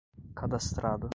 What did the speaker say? cadastrado